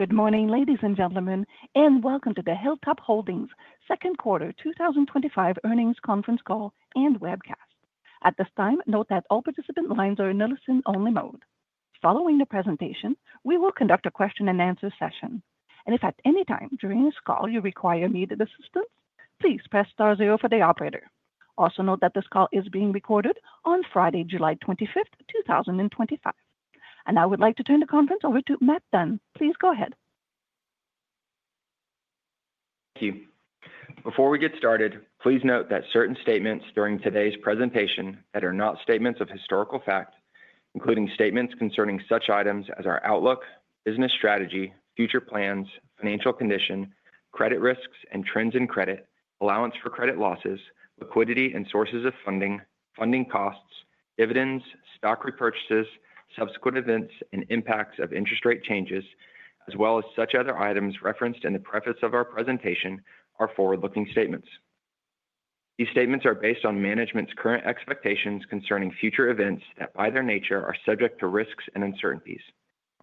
Good morning ladies and gentlemen and welcome to the Hilltop Holdings Second Quarter 2025 Earnings Conference Call and Webcast. At this time, note that all participant lines are in a listen-only mode. Following the presentation, we will conduct a question and answer session, and if at any time during this call you require immediate assistance, please press star zero for the operator. Also note that this call is being recorded on Friday, July 25th 2025, and I would like to turn the conference over to Matt Dunn. Please go ahead. Thank you. Before we get started, please note that certain statements during today's presentation that are not statements of historical fact, including statements concerning such items as our outlook, business strategy, future plans, financial condition, credit risks and trends in credit allowance for credit losses, liquidity and sources of funding, funding costs, dividends, stock repurchases, subsequent events and impacts of interest rate changes, as well as such other items referenced in the preface of our presentation, are forward-looking statements. These statements are based on management's current expectations concerning future events that by their nature are subject to risks and uncertainties.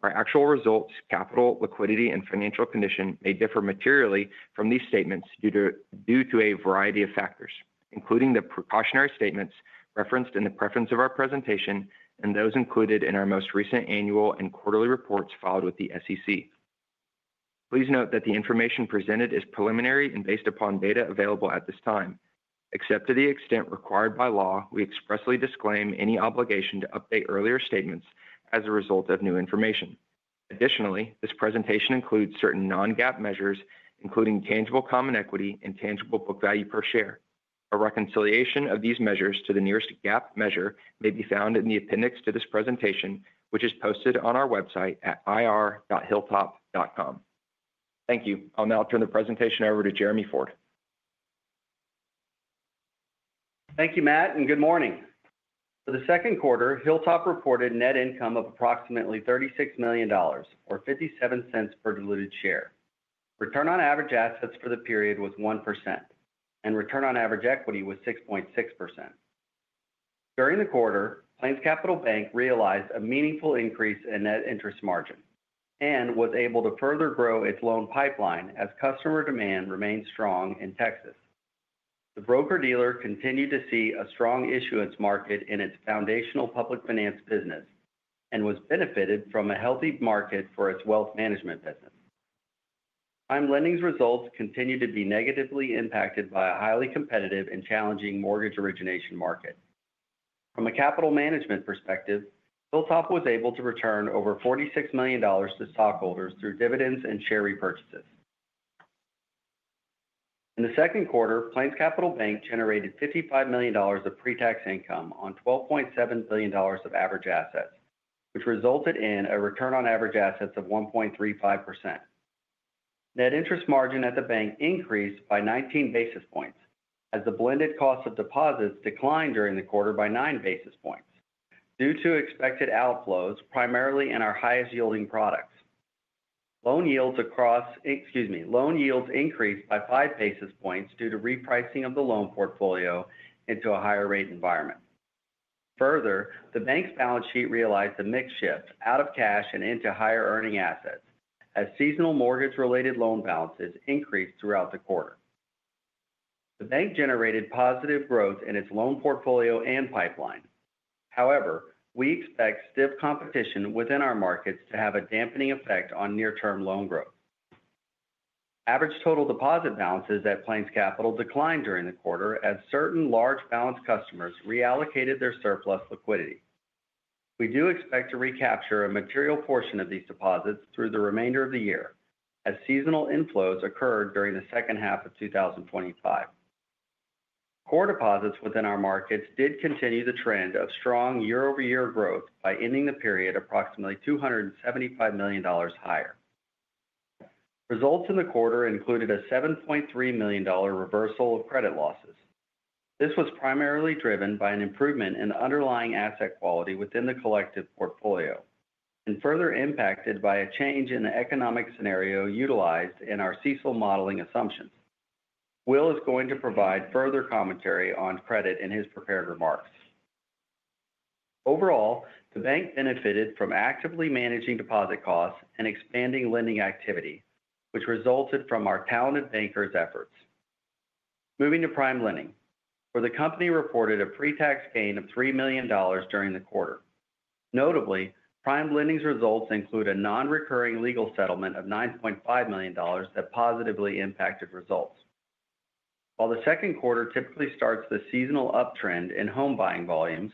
Our actual results, capital, liquidity and financial condition may differ materially from these statements due to a variety of factors including the precautionary statements referenced in the preface of our presentation and those included in our most recent annual and quarterly reports filed with the SEC. Please note that the information presented is preliminary and based upon data available at this time. Except to the extent required by law, we expressly disclaim any obligation to update earlier statements as a result of new information. Additionally, this presentation includes certain non-GAAP measures including tangible common equity and tangible book value per share. A reconciliation of these measures to the nearest GAAP measure may be found in the appendix to this presentation which is posted on our website at ir.hilltop.com. Thank you. I'll now turn the presentation over to Jeremy Ford. Thank you, Matt, and good morning. For the second quarter, Hilltop Holdings reported net income of approximately $36 million or $0.57 per diluted share. Return on average assets for the period was 1% and return on average equity was 6.6%. During the quarter, PlainsCapital Bank realized a meaningful increase in net interest margin and was able to further grow its loan pipeline as customer demand remains strong in Texas. The broker-dealer continued to see a strong issuance market in its foundational public finance business and was benefited from a healthy market for its wealth management business. PrimeLending's results continue to be negatively impacted by a highly competitive and challenging mortgage origination market. From a capital management perspective, Hilltop Holdings Inc. was able to return over $46 million to stockholders through dividends and share repurchases. In the second quarter, PlainsCapital Bank generated $55 million of pre-tax income on $12.7 billion of average assets, which resulted in a return on average assets of 1.35%. Net interest margin at the bank increased by 19 basis points as the blended cost of deposits declined during the quarter by 9 basis points due to expected outflows primarily in our highest yielding products. Loan yields increased by 5 basis points due to repricing of the loan portfolio into a higher rate environment. Further, the bank's balance sheet realized a mix shift out of cash and into higher earning assets. As seasonal mortgage-related loan balances increased throughout the quarter, the bank generated positive growth in its loan portfolio and pipeline. However, we expect stiff competition within our markets to have a dampening effect on near-term loan growth. Average total deposit balances at PlainsCapital declined during the quarter as certain large balance customers reallocated their surplus liquidity. We do expect to recapture a material portion of these deposits through the remainder of the year as seasonal inflows occur during the second half of 2025. Core deposits within our markets did continue the trend of strong year-over-year growth by ending the period approximately $275 million higher. Results in the quarter included a $7.3 million reversal of credit losses. This was primarily driven by an improvement in underlying asset quality within the collective portfolio and further impacted by a change in the economic scenario utilized in our CECL modeling assumptions. Will is going to provide further commentary on credit in his prepared remarks. Overall, the bank benefited from actively managing deposit costs and expanding lending activity, which resulted from our talented bankers' efforts. Moving to PrimeLending, the company reported a pre-tax gain of $3 million during the quarter. Notably, PrimeLending's results include a non-recurring legal settlement of $9.5 million that positively impacted results. While the second quarter typically starts the seasonal uptrend in home buying volumes,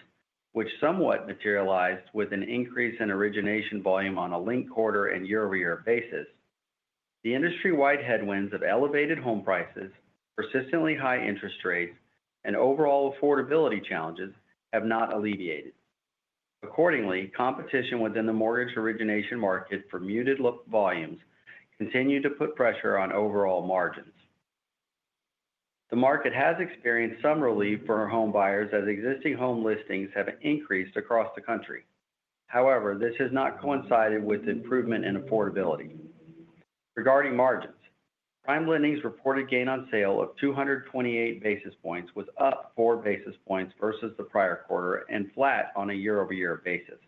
which somewhat materialized with an increase in origination volume on a linked quarter and year-over-year basis, the industry-wide headwinds of elevated home prices, persistently high interest rates, and overall affordability challenges have not alleviated. Accordingly, competition within the mortgage origination market for muted volumes continues to put pressure on overall margins. The market has experienced some relief for home buyers as existing home listings have increased across the country. However, this has not coincided with improvement in affordability. Regarding margins, PrimeLending's reported gain on sale of 228 basis points was up 4 basis points versus the prior quarter and flat on a year-over-year basis.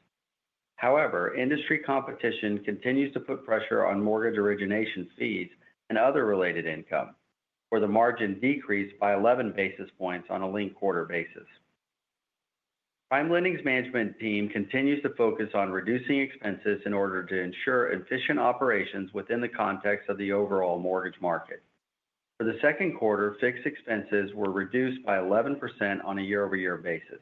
However, industry competition continues to put pressure on mortgage origination fees and other related income, where the margin decreased by 11 basis points on a linked quarter basis. PrimeLending's management team continues to focus on reducing expenses in order to ensure efficient operations within the context of the overall mortgage market. For the second quarter, fixed expenses were reduced by 11% on a year-over-year basis.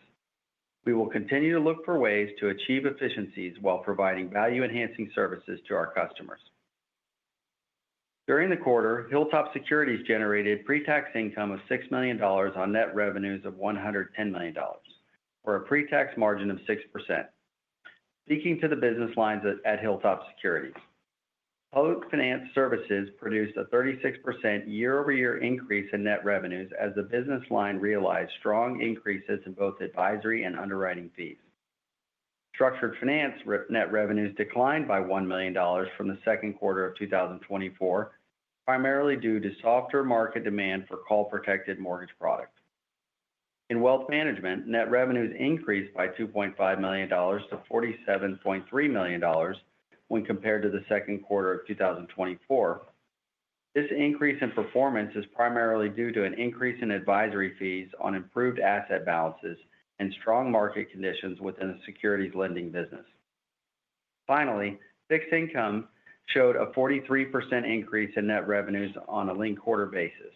We will continue to look for ways to achieve efficiencies while providing value-enhancing services to our customers. During the quarter, Hilltop Securities generated pre-tax income of $6 million on net revenues of $110 million for a pre-tax margin of 6%. Speaking to the business lines at Hilltop Securities. Public Finance services produced a 36% year-over-year increase in net revenues as the business line realized strong increases in both advisory and underwriting fees. Structured finance net revenues declined by $1 million from the second quarter of 2024, primarily due to softer market demand for call-protected mortgage products. In wealth management, net revenues increased by $2.5 million to $47.3 million when compared to the second quarter of 2024. This increase in performance is primarily due to an increase in advisory fees on improved asset balances and strong market conditions within the securities lending business. Finally, fixed income showed a 43% increase in net revenues on a linked quarter basis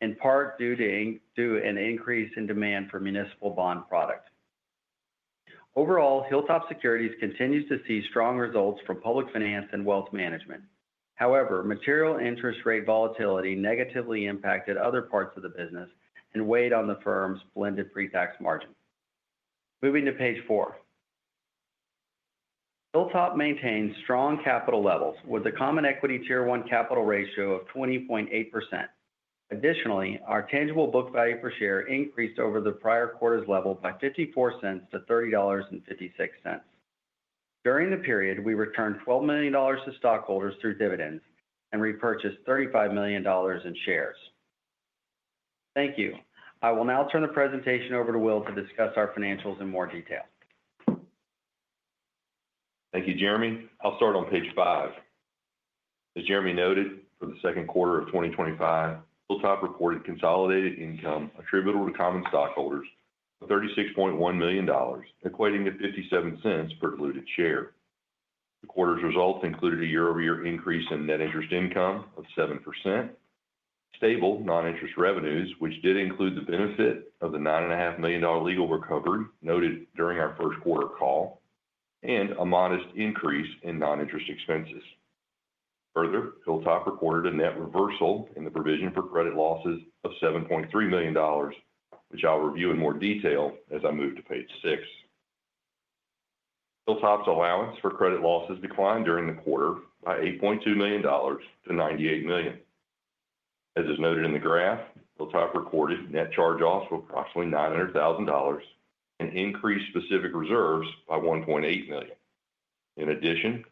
in part due to an increase in demand for municipal bond product. Overall, Hilltop Securities continues to see strong results from public finance and wealth management. However, material interest rate volatility negatively impacted other parts of the business and weighed on the firm's blended pre-tax margin. Moving to page four, Hilltop maintains strong capital levels with a Common Equity Tier 1 capital ratio of 20.8%. Additionally, our tangible book value per share increased over the prior quarter's level by $0.54 to $30.56 during the period. We returned $12 million to stockholders through dividends and repurchased $35 million in shares. Thank you. I will now turn the presentation over to Will to discuss our financials in more detail. Thank you, Jeremy. I'll start on page five. As Jeremy noted, for the second quarter of 2025, Hilltop reported consolidated income attributable to common stockholders of $36.1 million, equating to $0.57 per diluted share. The quarter's results included a year-over-year increase in net interest income of 7%, stable non-interest revenues, which did include the benefit of the $9.5 million legal recovery noted during our first quarter call, and a modest increase in non-interest expenses. Further, Hilltop recorded a net reversal in the provision for credit losses of $7.3 million, which I'll review in more detail as I move to page six. Hilltop's allowance for credit losses declined during the quarter by $8.2 million to $98 million. As is noted in the graph, Hilltop recorded net charge-offs of approximately $900,000 and increased specific reserves by $1.8 million. In addition,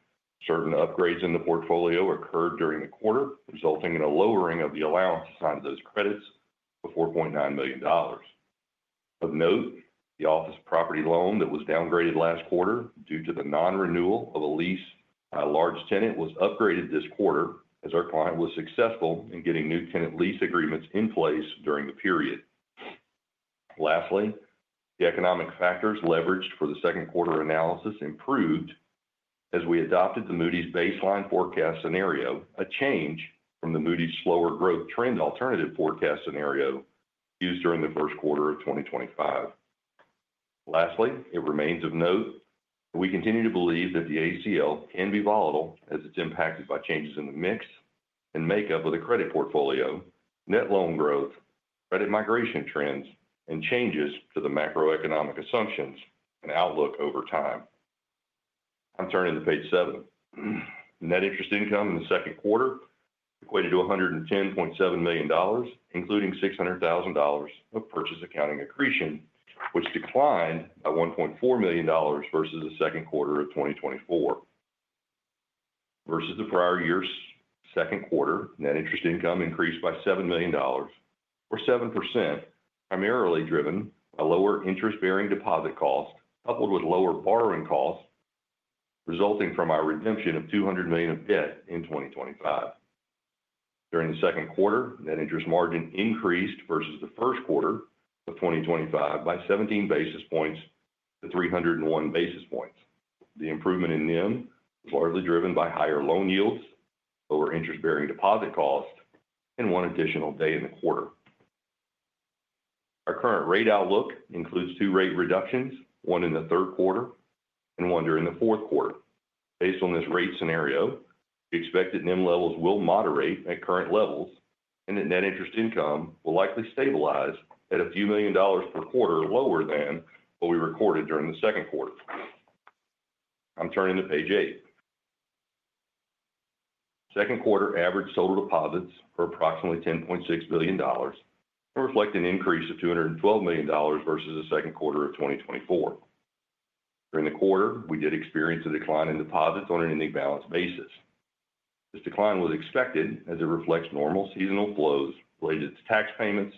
certain upgrades in the portfolio occurred during the quarter, resulting in a lowering of the allowance assigned to those credits of $4.9 million. Of note, the office property loan that was downgraded last quarter due to the non-renewal of a lease by a large tenant was upgraded this quarter as our client was successful in getting new tenant lease agreements in place during the period. Lastly, the economic factors leveraged for the second quarter analysis improved as we adopted the Moody’s Baseline Forecast Scenario, a change from the Moody’s Slower Growth Trend alternative forecast scenario used during the first quarter of 2025. It remains of note we continue to believe that the ACL can be volatile as it's impacted by changes in the mix and makeup of the credit portfolio, net loan growth, credit migration trends, and changes to the macroeconomic assumptions and outlook over time. I'm turning to page seven. Net interest income in the second quarter equated to $110.7 million, including $600,000 of purchase accounting accretion, which declined by $1.4 million versus the second quarter of 2024. Net interest income increased by $7 million or 7%, primarily driven by lower interest-bearing deposit cost coupled with lower borrowing costs resulting from our redemption of $200 million of debt in 2025. During the second quarter, net interest margin increased versus the first quarter of 2025 by 17 basis points to 301 basis points. The improvement in NIM was largely driven by higher loan yields, lower interest-bearing deposit cost, and one additional day in the quarter. Our current rate outlook includes 2 rate reductions, one in the third quarter and one during the fourth quarter. Based on this rate scenario, we expect that NIM levels will moderate at current levels and that net interest income will likely stabilize at a few million dollars per quarter lower than what we recorded during the second quarter. I'm turning to Page 8. Second quarter average total deposits are approximately $10.6 billion and reflect an increase of $212 million versus the second quarter of 2024. During the quarter, we did experience a decline in deposits on an imbalanced basis. This decline was expected as it reflects normal seasonal flows which related to tax payments,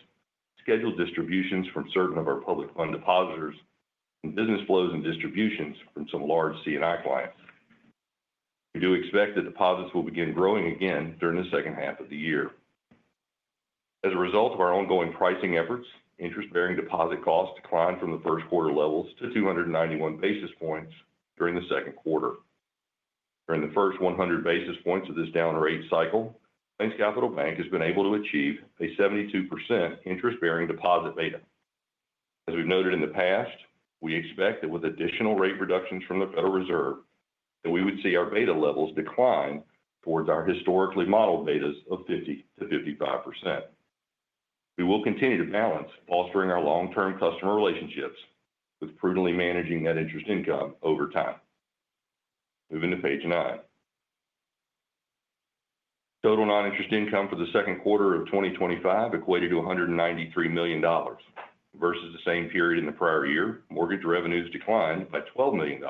scheduled distributions from certain of our public fund depositors, and business flows and distributions from some large C&I clients. We do expect that deposits will begin growing again during the second half of the year as a result of our ongoing pricing efforts. Interest bearing deposit costs declined from the first quarter levels to 291 basis points during the second quarter. During the first 100 basis points of this down rate cycle, PlainsCapital Bank has been able to achieve a 72% interest bearing deposit beta. As we've noted in the past, we expect that with additional rate reductions from the Federal Reserve that we would see our beta levels decline towards our historically modeled betas of 50 to 55%. We will continue to balance fostering our long term customer relationships with prudently managing net interest income over time. Moving to Page 9, total non interest income for the second quarter of 2025 equated to $193 million versus the same period in the prior year. Mortgage revenues declined by $12 million,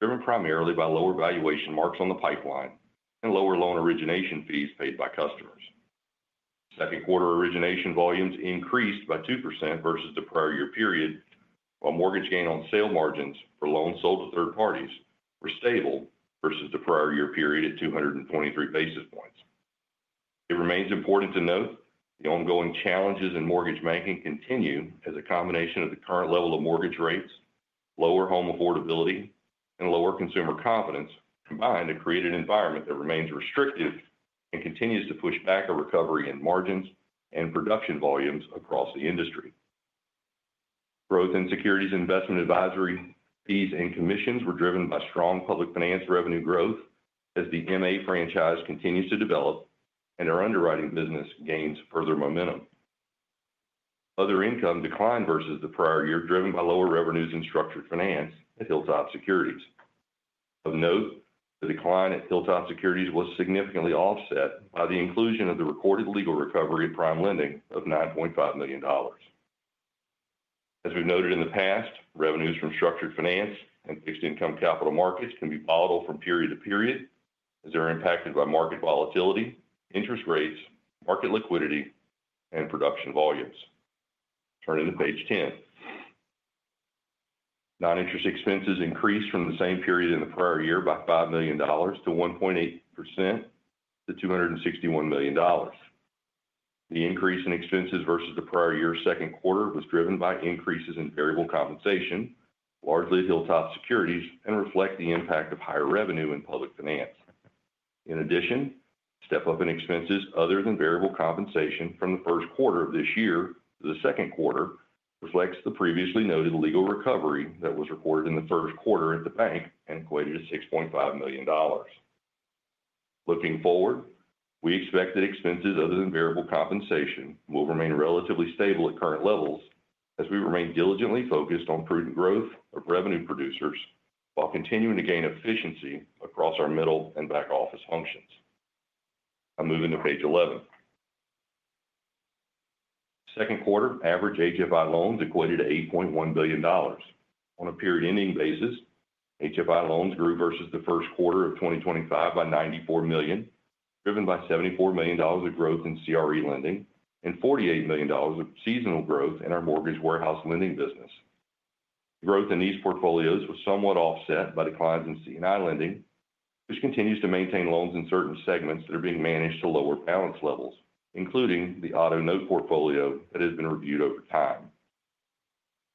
driven primarily by lower valuation marks on the pipeline and lower loan origination fees paid by customers. Second quarter origination volumes increased by 2% versus the prior year period, while mortgage gain on sale margins for loans sold to third parties were stable versus the prior year period at 223 basis points. It remains important to note the ongoing challenges in mortgage banking continue as a combination of the current level of mortgage rates, lower home affordability, and lower consumer confidence combine to create an environment that remains restrictive and continues to push back a recovery in margins and production volumes across the industry. Growth in securities investment advisory fees and commissions were driven by strong public finance revenue growth. As the M&A franchise continues to develop and our underwriting business gains further momentum, other income declined versus the prior year driven by lower revenues in structured finance at Hilltop Securities. Of note, the decline at Hilltop Securities was significantly offset by the inclusion of the recorded legal recovery in PrimeLending of $9.5 million. As we've noted in the past, revenues from structured finance and fixed income capital markets can be volatile from period to period as they're impacted by market volatility, interest rates, market liquidity, and production volumes. Turning to page 10, non-interest expenses increased from the same period in the prior year by $5 million, or 1.8%, to $261 million. The increase in expenses versus the prior year second quarter was driven by increases in variable compensation largely at Hilltop Securities and reflects the impact of higher revenue in public finance. In addition, the step up in expenses other than variable compensation from the first quarter of this year to the second quarter reflects the previously noted legal recovery that was recorded in the first quarter at the bank and equated to $6.5 million. Looking forward, we expect that expenses other than variable compensation will remain relatively stable at current levels as we remain diligently focused on prudent growth of revenue producers while continuing to gain efficiency across our middle and back office functions. Moving to page 11, second quarter average HFI loans equated to $8.1 billion. On a period ending basis, HFI loans grew versus the first quarter of 2025 by $94 million, driven by $74 million of growth in CRE lending and $48 million of seasonal growth in our mortgage warehouse lending business. Growth in these portfolios was somewhat offset by declines in C&I lending, which continues to maintain loans in certain segments that are being managed to lower balance levels, including the auto note portfolio that has been reviewed over time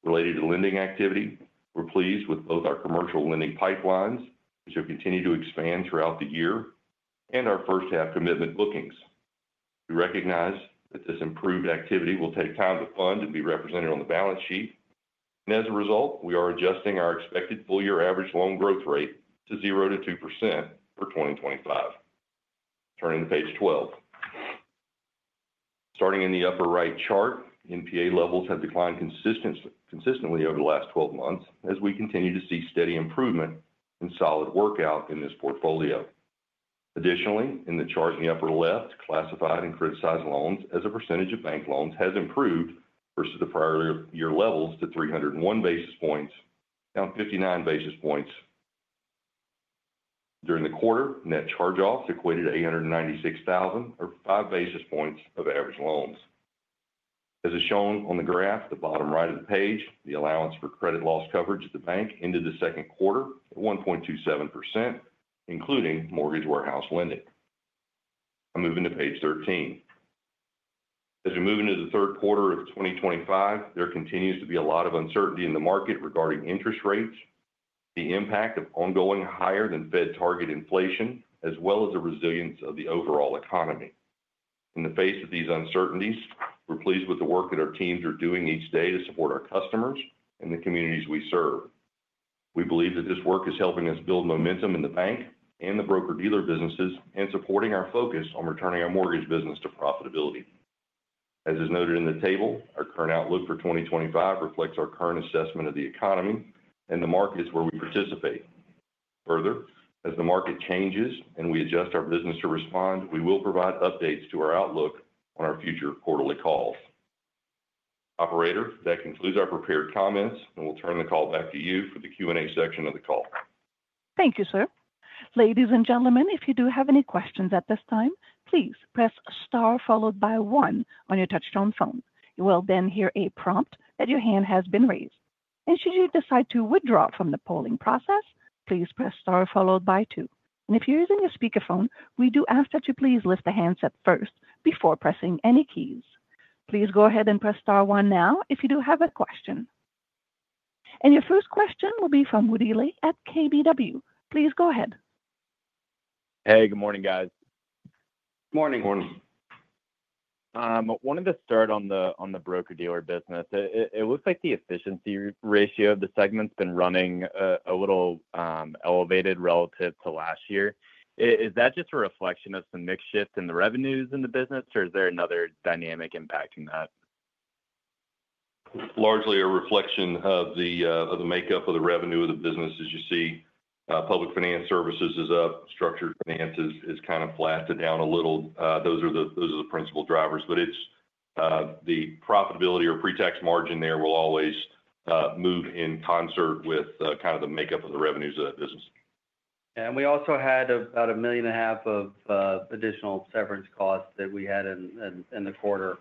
related to lending activity. We're pleased with both our commercial lending pipelines, which have continued to expand throughout the year, and our first half commitment bookings. We recognize that this improved activity will take time to fund and be represented on the balance sheet, and as a result we are adjusting our expected full year average loan growth rate to 0% to 2% for 2025. Turning to page 12, starting in the upper right chart, NPA levels have declined consistently over the last 12 months as we continue to see steady improvement and solid workout in this portfolio. Additionally, in the chart in the upper left, classified and criticized loans as a percentage of bank loans has improved versus the prior year levels to 301 basis points, down 59 basis points during the quarter. Net charge offs equated to $896,000 or 5 basis points of average loans. As is shown on the graph in the bottom right of the page, the allowance for credit loss coverage at the bank ended the second quarter at 1.27%, including mortgage warehouse lending. I'm moving to page 13. As we move into the third quarter of 2025, there continues to be a lot of uncertainty in the market regarding interest rates, the impact of ongoing higher than Fed target inflation, as well as the resilience of the overall economy in the face of these uncertainties. We're pleased with the work that our teams are doing each day to support our customers and the communities we serve. We believe that this work is helping us build momentum in the bank and the broker dealer businesses and supporting our focus on returning our mortgage business to profitability. As is noted in the table, our current outlook for 2025 reflects our current assessment of the economy and the markets where we participate. Further, as the market changes and we adjust our business to respond, we will provide updates to our outlook on our future quarterly calls. Operator, that concludes our prepared comments and we'll turn the call back to you for the Q&A section of the call. Thank you, sir. Ladies and Gentlemen, if you do have any questions at this time, please press STAR followed by one on your touchtone phone. You will then hear a prompt that your hand has been raised. Should you decide to withdraw from the polling process, please press STAR followed by two. If you're using a speakerphone, we do ask that you please lift the handset first before pressing any keys. Please go ahead and press STAR one. If you do have a question, your first question will be from Woody Lay at KBW. Please go ahead. Hey, good morning guys. Morning. Wanted to start on the broker dealer business. It looks like the efficiency ratio of the segment's been running a little elevated relative to last year. Is that just a reflection of some mix shift in the revenues in the business, or is there another dynamic impacting that? Largely a reflection of the makeup of the revenue of the business. As you see, public finance services is up. Structured finance is kind of flat to down a little. Those are the principal drivers. It's the profitability or pre-tax margin there will always move in concert with the makeup of the revenues of that business. We also had about $1.5 million of additional severance costs that we had in the quarter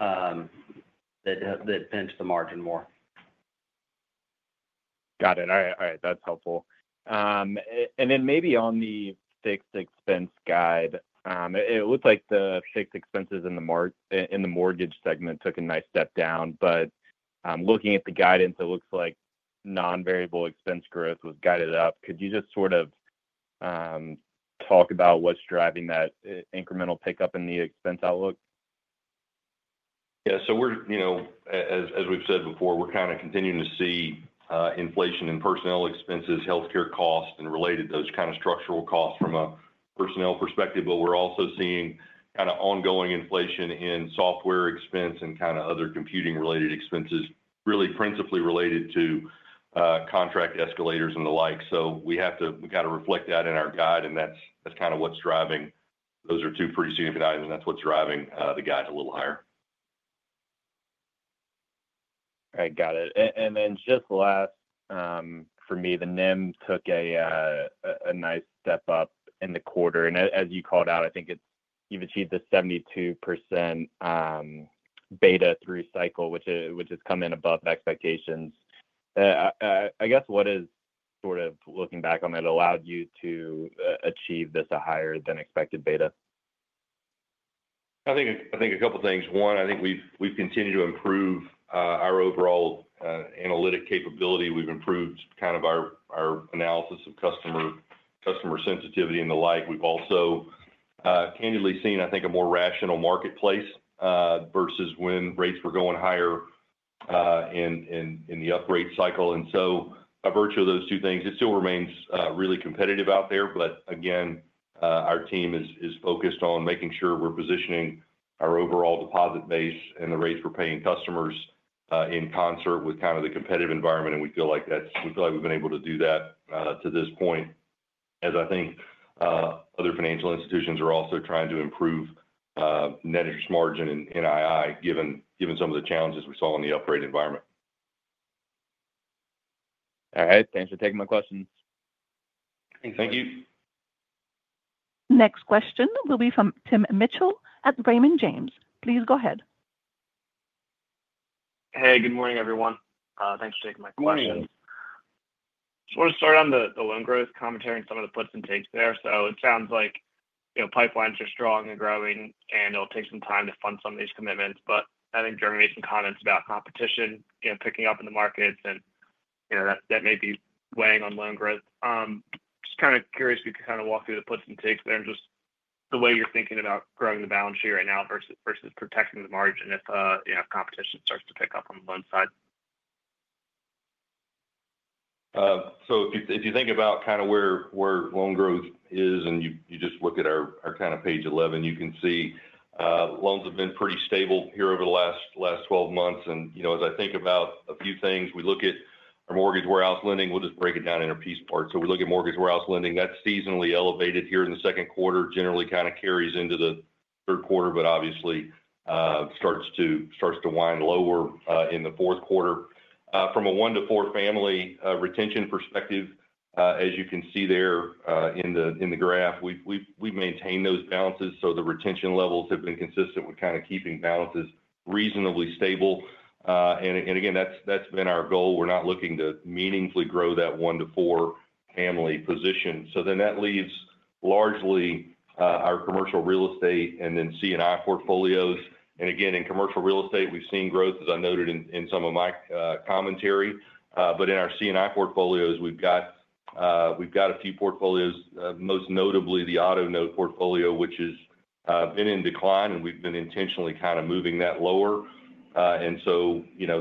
that pinched the margin more. Got it. All right, that's helpful. Maybe on the fixed expense guide, it looks like the fixed expenses in the mortgage segment took a nice step down. Looking at the guidance, it looks like non-variable expense growth was guided up. Could you just sort of talk about what's driving that incremental pickup in the expense outlook? Yeah, as we've said before, we're kind of continuing to see inflation in personnel expenses, healthcare costs and related, those kind of structural costs from a personnel perspective. We're also seeing ongoing inflation in software expense and other computing related expenses, really principally related to contract escalators and the like. We have to reflect that in our guide and that's kind of what's driving. Those are two pretty significant items and that's what's driving the guide a little higher. Got it. Just last for me, the NIM took a nice step up in the quarter. As you called out, I think it's, you've achieved the 72% beta through cycle, which has come in above expectations. I guess what is sort of looking back on that allowed you to achieve this higher than expected beta? I think a couple things. One, I think we've continued to improve our overall analytic capability. We've improved our analysis of customer sensitivity and the like. We've also candidly seen a more rational marketplace versus when rates were going higher in the upgrade cycle. By virtue of those two things, it still remains really competitive out there. Our team is focused on making sure we're positioning our overall deposit base and the rates we're paying customers in concert with the competitive environment. We feel like we've been able to do that to this point as I think other financial institutions are also trying to improve net interest margin in, given some of the challenges we saw in the upgrade environment. All right, thanks for taking my questions. Thank you. Next question will be from Tim Mitchell at Raymond James. Please go ahead. Hey, good morning, everyone. Thanks for taking my questions. I just want to start on the loan growth commentary and some of the puts and takes there. It sounds like, you know, pipelines are strong and growing and it'll take some time to fund some of these commitments. I think Jeremy made some comments about competition picking up in the markets and that may be weighing on loan growth. I'm just kind of curious if you could kind of walk through the puts and takes there and just the way you're thinking about growing the balance sheet right now versus protecting the margin if competition starts to pick up on the loan side. If you think about kind of where loan growth is and you just look at our kind of page 11, you can see loans have been pretty stable here over the last 12 months. As I think about a few things, we look at our mortgage warehouse lending, we'll just break it down in a piece part. We look at mortgage warehouse lending that's seasonally elevated here in the second quarter, generally kind of carries into the third quarter, but obviously starts to wind lower in the fourth quarter. From a one to four family retention perspective, as you can see there in the graph, we maintain those balances. The retention levels have been consistent with kind of keeping balances reasonably stable. That's been our goal. We're not looking to meaningfully grow that one to four family position. That leaves largely our commercial real estate and then C&I portfolios. In commercial real estate we've seen growth, as I noted in some of my commentary, but in our C&I portfolios we've got a few portfolios, most notably the auto note portfolio which has been in decline and we've been intentionally kind of moving that lower.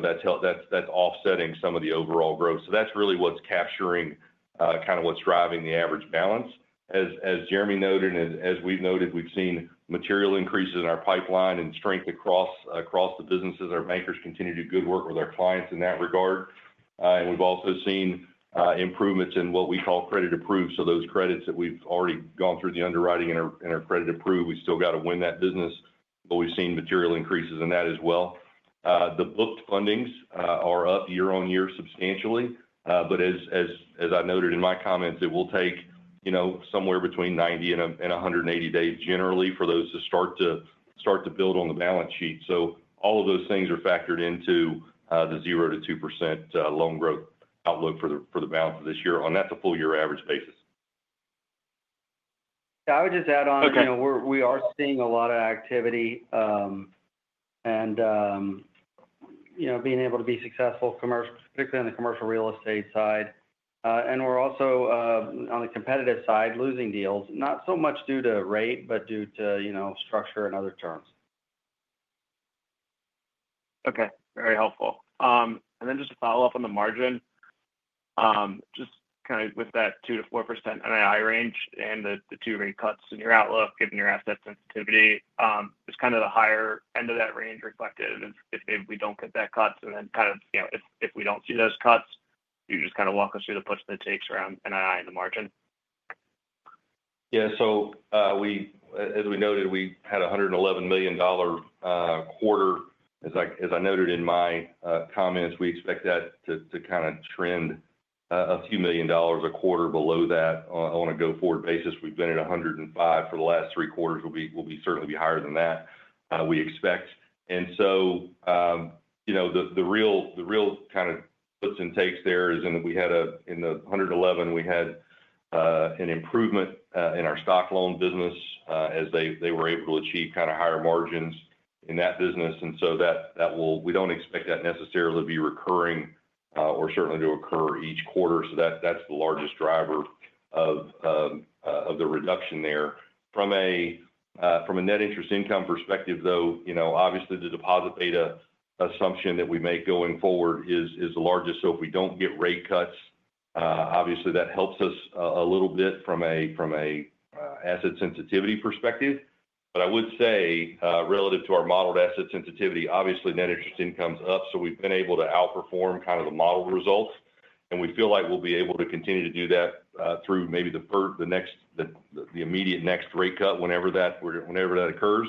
That's helped, that's offsetting some of the overall growth. That's really what's capturing kind of what's driving the average balance as Jeremy noted. As we've noted, we've seen material increases in our pipeline and strength across the businesses. Our bankers continue to do good work with our clients in that regard. We've also seen improvements in what we call credit approved. Those credits that we've already gone through the underwriting and are credit approved, we still got to win that business. We've seen material increases in that as well. The booked fundings are up year on year substantially. As I noted in my comments, it will take somewhere between 90 and 180 days generally for those to start to build on the balance sheet. All of those things are factored into the 0 to 2% loan growth outlook for the balance of this year on a full year average basis. I would just add on, you know, we are seeing a lot of activity and, you know, being able to be successful commercially, particularly on the commercial real estate side. We're also on the competitive side losing deals not so much due to rate but due to, you know, structure and other terms. Okay, very helpful. Just to follow up on the margin, just kind of with that 2 to 4% NII range and the two rate cuts in your outlook given your asset sensitivity, is kind of the higher end of that range reflected if we don't get that cuts? If we don't see those cuts, can you just walk us through the puts and takes around NII in the margin? Yeah, as we noted, we had a $111 million quarter. As I noted in my comments, we expect that to kind of trend a few million dollars a quarter below that on a go forward basis. We've been at $105 million for the last three quarters, will certainly be higher than that, we expect. The real kind of puts and takes there is in that we had, in the $111 million, we had an improvement in our stock loan business as they were able to achieve kind of higher margins in that business. We don't expect that to necessarily be recurring or certainly to occur each quarter. That's the largest driver of the reduction there. From a net interest income perspective, the deposit beta assumption that we make going forward is the largest. If we don't get rate cuts, that helps us a little bit from an asset sensitivity perspective. I would say relative to our modeled asset sensitivity, net interest income's up. We've been able to outperform kind of the model results, and we feel like we'll be able to continue to do that through maybe the immediate next rate cut whenever that occurs.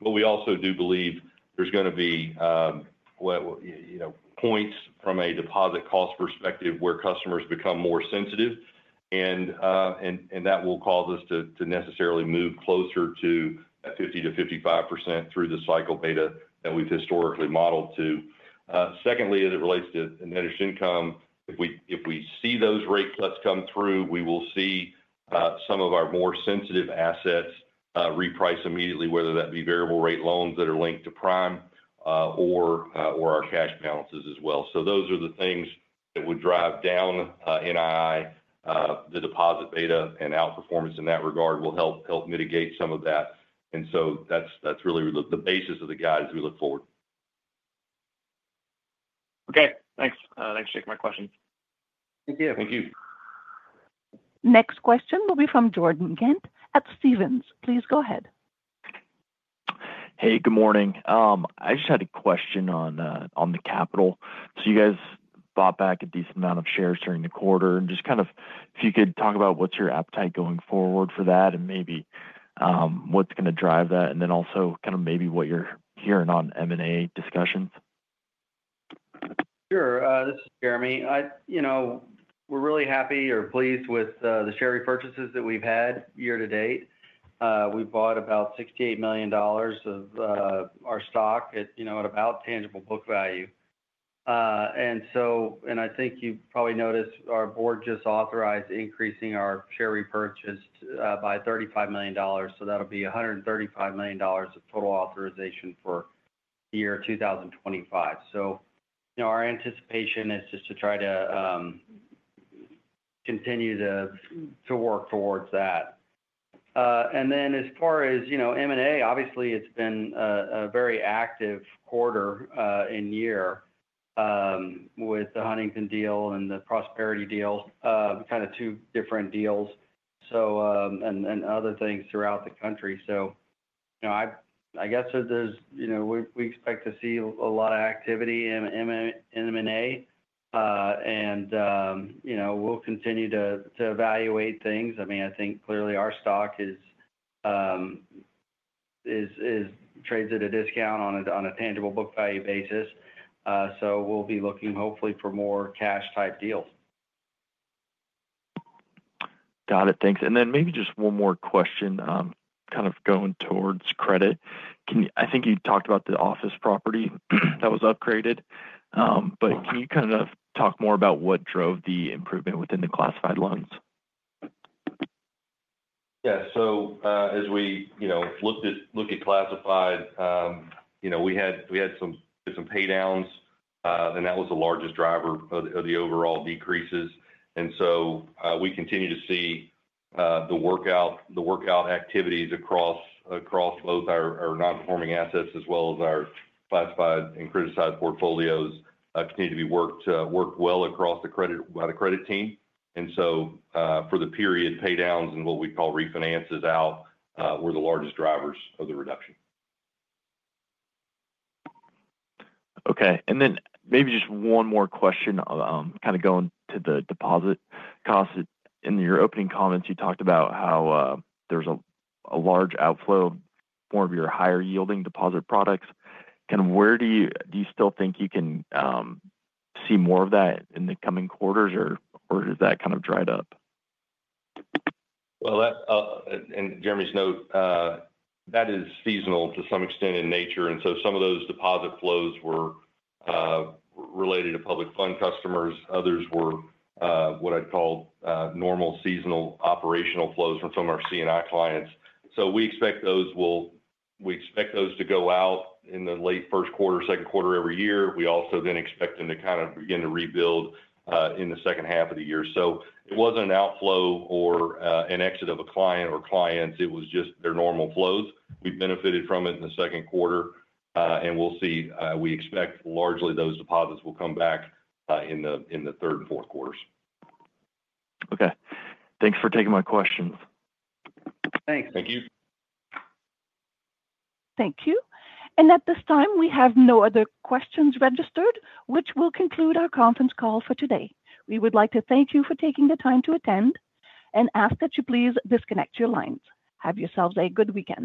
We also do believe there's going to be points from a deposit cost perspective where customers become more sensitive, and that will cause us to necessarily move closer to 50% to 55% through the cycle beta that we've historically modeled to. Secondly, as it relates to net interest income, if we see those rate cuts come through, we will see some of our more sensitive assets reprice immediately, whether that be variable rate loans that are linked to prime or our cash balances as well. Those are the things that would drive down NII. The deposit beta and outperformance in that regard will help mitigate some of that. That's really the basis of the guide as we look forward. Okay, thanks. Thanks for taking my questions. Thank you. Thank you. Next question will be from Jordan Ghent at Stephens. Please go ahead. Good morning. I just had a question on the capital. You guys bought back a decent amount of shares during the quarter. If you could talk about what's your appetite going forward for that and maybe what's going to drive that, and also maybe what you're hearing on M&A discussion. Sure. This is Jeremy. You know, we're really happy or pleased with the share repurchases that we've had year to date. We bought about $68 million of our stock at about tangible book value. I think you probably noticed our board just authorized increasing our share repurchase by $35 million. That'll be $135 million of total authorization for the year 2025. Our anticipation is just to try to continue to work towards that. As far as, you know, M&A, obviously it's been a very active quarter and year with the Huntington deal and the Prosperity deal, kind of two different deals, and other things throughout the country. I guess we expect to see a lot of activity, M&A, and we'll continue to evaluate things. I mean I think clearly our stock trades at a discount on a tangible book value basis. We'll be looking hopefully for more cash type deals. Got it, thanks. Maybe just one more question kind of going towards credit. I think you talked about the office property that was upgraded, but can you kind of talk more about what drove the improvement within the classified loans? Yeah. As we look at classified, we had some pay downs and that was the largest driver of the overall decreases. We continue to see the workout activities across both our non performing assets as well as our classified and criticized portfolios continue to be worked well across the credit by the credit team. For the period, pay downs and what we call refinances out were the largest drivers of the reduction. Okay. Maybe just one more question, kind of going to the deposit cost. In your opening comments, you talked about how there's a large outflow, more of your higher yielding deposit products. Where do you, do you still think you can see more of that in the coming quarters, or is that kind of dried up? Jeremy's note, that is seasonal to some extent in nature. Some of those deposit flows were related to public fund customers. Others were what I'd call normal seasonal operational flows from some of our C&I clients. We expect those to go out in the late first quarter, second quarter every year. We also then expect them to kind of begin to rebuild in the second half of the year. It wasn't an outflow or an exit of a client or clients. It was just their normal flows. We benefited from it in the second quarter and we expect largely those deposits will come back in the third and fourth quarters. Okay, thanks for taking my questions. Thanks. Thank you. Thank you. At this time we have no other questions registered, which will conclude our conference call for today. We would like to thank you for taking the time to attend and ask that you please disconnect your lines. Have yourselves a good weekend.